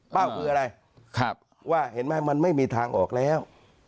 คืออะไรว่าเห็นไหมมันไม่มีทางออกแล้ว